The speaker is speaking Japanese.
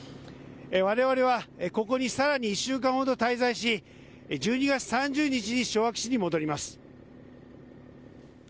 われわれはここにさらに１週間ほど滞在し１２月３０日に昭和基地に戻ります。